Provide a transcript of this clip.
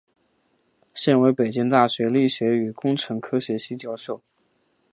现为北京大学力学与工程科学系教授。